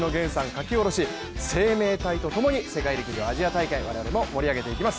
書き下ろし、「生命体」と共に世界陸上、アジア大会我々も盛り上げていきます。